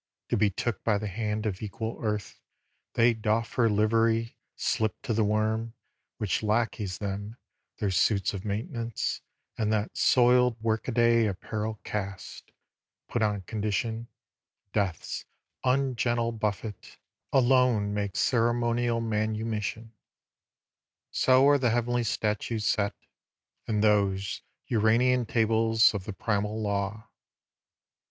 To be took by the hand of equal earth They doff her livery, slip to the worm, Which lacqueys them, their suits of maintenance, And that soiled workaday apparel cast, Put on condition: Death's ungentle buffet Alone makes ceremonial manumission; So are the heavenly statutes set, and those Uranian tables of the primal Law.